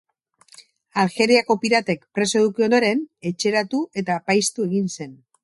Aljeriako piratek preso eduki ondoren, etxeratu eta apaiztu egin zen.